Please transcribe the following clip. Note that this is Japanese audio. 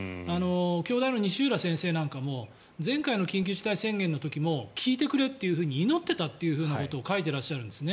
京大の西浦先生なんかも前回の緊急事態宣言の時も効いてくれと祈っていたということを書いていらっしゃるんですね。